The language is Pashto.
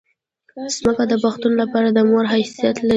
ځمکه د پښتون لپاره د مور حیثیت لري.